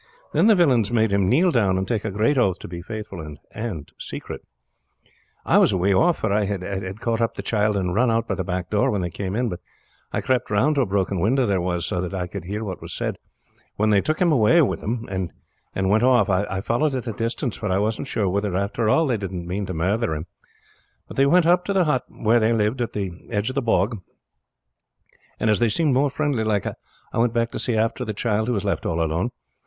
Then the villains made him kneel down and take a great oath to be faithful and secret. "I was away off; for I had caught up the child and run out by the back door when they came in, but I crept round to a broken window there was, so that I could hear what was said. When they took him away wid them and went off, I followed at a distance, for I wasn't sure whether after all they didn't mean to murther him. But they went up to the hut where they lived at the edge of the bog, and as they seemed more friendly like I went back to see after the child, who was left all alone.